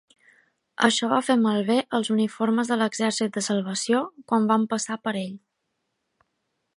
Això va fer malbé els uniformes de l'Exèrcit de Salvació quan van passar per ell.